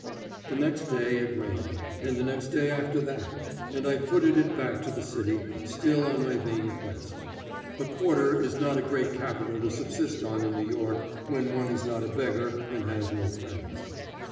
The next day it rained, and the next day after that, and I footed it back to the city, still on my vain quest. A quarter is not a great capital to subsist on in New York when one is not a beggar and has no friends.